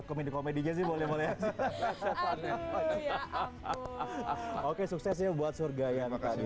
oke suksesnya buat surga yang tadi